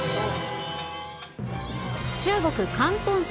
中国・広東省。